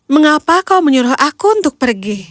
mengapa kau menyuruh aku untuk pergi